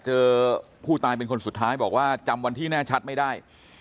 เจอผู้ตายเป็นคนสุดท้ายบอกว่าจำวันที่แน่ชัดไม่ได้